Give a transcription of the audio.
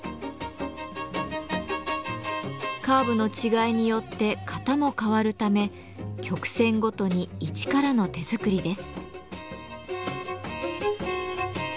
カーブの違いによって型も変わるため曲線ごとに一からの手作りです。